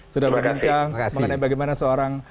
sudah berbincang mengenai bagaimana seorang